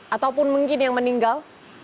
ataupun mungkin yang meninggal